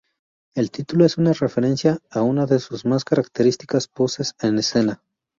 El título es una referencia a una de sus más características poses en escena.